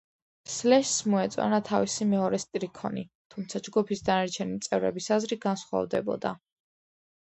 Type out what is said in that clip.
სლეშს მოეწონა თავისი მეორე სტრიქონი, თუმცა ჯგუფის დანარჩენი წევრების აზრი განსხვავდებოდა.